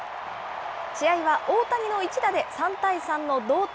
試合は大谷の一打で、３対３の同点。